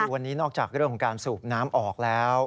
วันนี้นอกจากเรื่องของการสูบน้ำออกแล้ว